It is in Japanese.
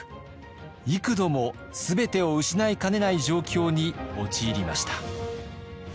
幾度も全てを失いかねない状況に陥りました。